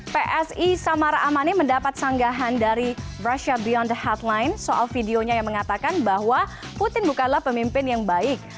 psi samara amani mendapat sanggahan dari rusia beyond the headline soal videonya yang mengatakan bahwa putin bukanlah pemimpin yang baik